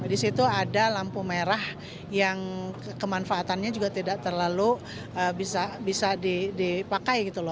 di situ ada lampu merah yang kemanfaatannya juga tidak terlalu bagus